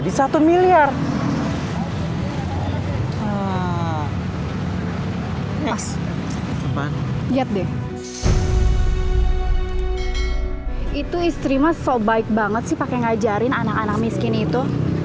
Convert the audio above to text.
itu istri mas so baik banget sih pake ngajarin anak anak miskin itu